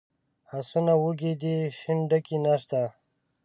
آسونه وږي دي شین ډکی نشته.